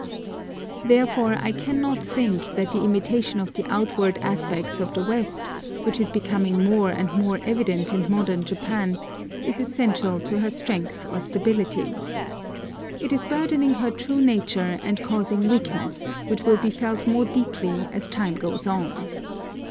Therefore I cannot think that the imitation of the outward aspects of the West, which is becoming more and more evident in modern Japan, is essential to her strength or stability. It is burdening her true nature and causing weakness, which will be felt more deeply as time goes on.